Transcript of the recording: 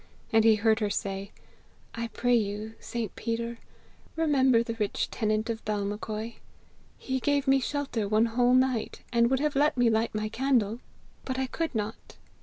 And he heard her say, 'I pray you, St. Peter, remember the rich tenant of Balmacoy; he gave me shelter one whole night, and would have let me light my candle but I could not.'